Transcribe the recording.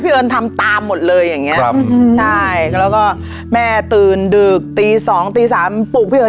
เอิญทำตามหมดเลยอย่างเงี้ครับใช่แล้วก็แม่ตื่นดึกตีสองตีสามปลูกพี่เอิ